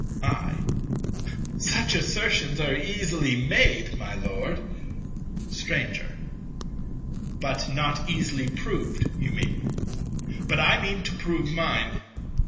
I. Such assertions are easily made, my Lord. Stranger. But not easily proved, you mean. But I mean to prove mine.